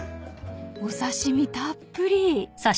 ［お刺し身たっぷり］